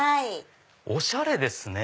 おしゃれですね！